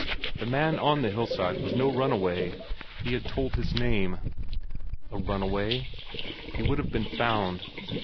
The man on the hillside was no runaway; he had told his name. A runaway? He would have been found.